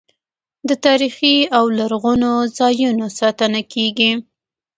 د تاریخي او لرغونو ځایونو ساتنه کیږي.